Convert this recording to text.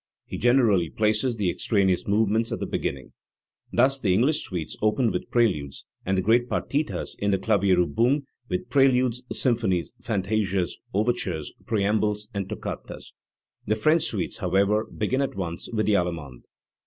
He generally places the extraneous movements at the beginning. Thus the English suites open with preludes, and the great partitas in the Klavierilbung with preludes, symphonies, fantasias, , overtures, preambles and toccatas; the French suites, however, begin at once with the allemande.